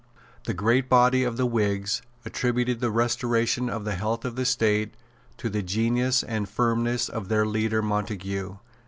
The great body of the Whigs attributed the restoration of the health of the State to the genius and firmness of their leader Montague.